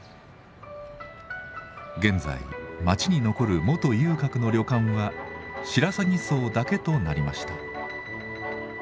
現在街に残る元遊郭の旅館は白さぎ荘だけとなりました。